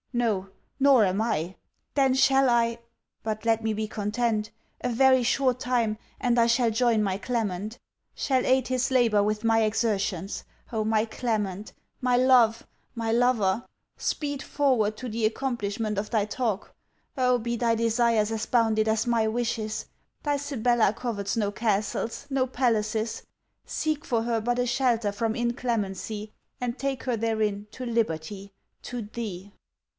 No: nor am I. Then shall I but let me be content a very short time and I shall join my Clement: shall aid his labour with my exertions. Oh, my Clement, my love, my lover, speed forward to the accomplishment of thy talk! Oh, be thy desires as bounded as my wishes! Thy Sibella covets no castles, no palaces. Seek for her but a shelter from inclemency, and take her therein to liberty, to thee!